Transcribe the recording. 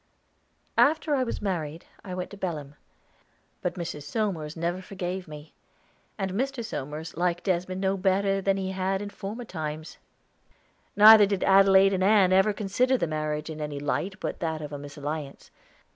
After I was married, I went to Belem. But Mrs. Somers never forgave me; and Mr. Somers liked Desmond no better than he had in former times. Neither did Adelaide and Ann ever consider the marriage in any light but that of a misalliance.